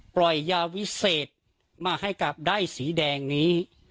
ปล่อยยาวิเศษมาให้กับด้ายสีแดงนี้